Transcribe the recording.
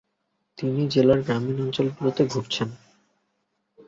তিনি জেলার গ্রামীণ অঞ্চলগুলিতে ঘুরেছেন।